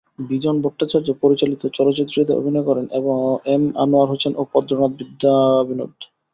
বিজন ভট্টাচার্য পরিচালিত চলচ্চিত্রটিতে অভিনয় করেন এম আনোয়ার হোসেন এবং পদ্মনাথ বিদ্যাবিনোদ।